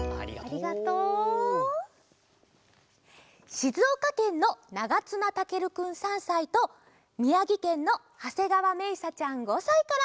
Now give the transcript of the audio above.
しずおかけんのながつなたけるくん３さいとみやぎけんのはせがわめいさちゃん５さいから。